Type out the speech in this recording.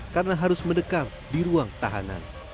karena harus mendekat di ruang tahanan